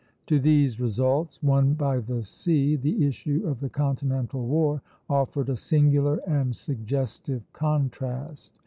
To these results, won by the sea, the issue of the continental war offered a singular and suggestive contrast.